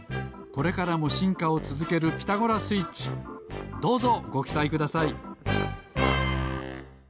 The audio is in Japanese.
これからもしんかをつづける「ピタゴラスイッチ」どうぞごきたいください！